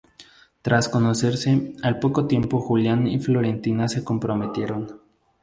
Tras conocerse, al poco tiempo Julián y Florentina se comprometieron.